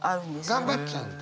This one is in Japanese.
頑張っちゃうんだ。